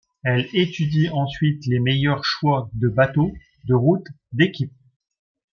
Elle étudie ensuite les meilleurs choix de bateau, de route, d'équipe.